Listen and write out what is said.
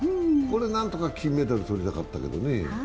これ何とか金メダルとりたかったけどね。